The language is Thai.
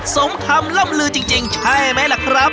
สมคำล่ำลือจริงใช่ไหมล่ะครับ